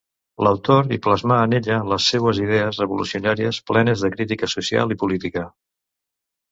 L'autor hi plasmà en ella les seues idees revolucionàries plenes de crítica social i política.